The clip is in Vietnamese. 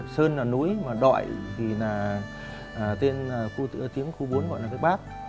sơn là núi mà đoại thì là tên là khu bốn gọi là cái bát